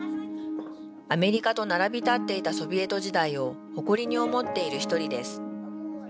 アメリカと並び立っていたソビエト時代を誇りに思っている１人です。